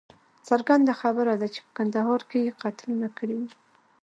څرګنده خبره ده چې په کندهار کې یې قتلونه کړي وه.